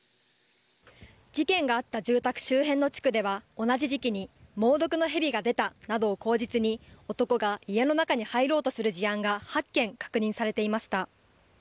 事件があった住宅周辺の地区では同じ時期に猛毒のヘビが出たなどを口実に男が家の中に入ろうとする事案が８件確認されていました。